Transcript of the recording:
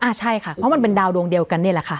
ใช่ค่ะเพราะมันเป็นดาวดวงเดียวกันนี่แหละค่ะ